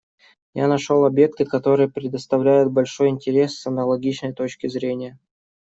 Я нашел объекты, которые представляют большой интерес с аналогичной точки зрения.